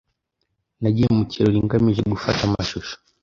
Nagiye mu kirori ngamije gufata amashusho.